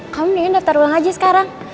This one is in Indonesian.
kamu ingin daftar ulang aja sekarang